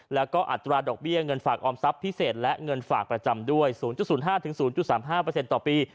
แล้วก็อัตราดอกเบี้ยเงินฝากออมทรัพย์พิเศษและเงินฝากประจำด้วย๐๐๕๐๓๕ต่อปี